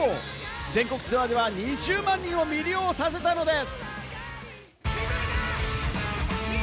全国ツアーでは２０万人を魅了させたのです。